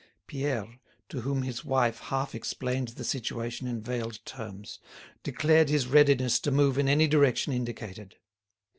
Pierre, to whom his wife half explained the situation in veiled terms, declared his readiness to move in any direction indicated.